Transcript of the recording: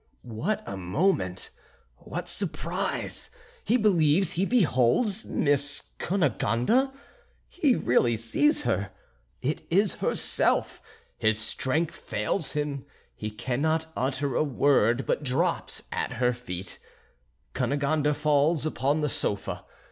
what a moment! what surprise! he believes he beholds Miss Cunegonde? he really sees her! it is herself! His strength fails him, he cannot utter a word, but drops at her feet. Cunegonde falls upon the sofa.